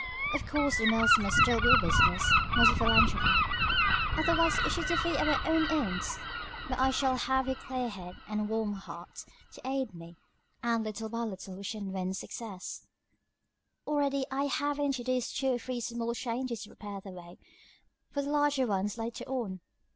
Of course the mills must still be a business not a philanthropy; otherwise we should defeat our own ends. But I shall have your clear head and warm heart to aid me, and little by little we shall win success. "Already I have introduced two or three small changes to prepare the way for the larger ones later on.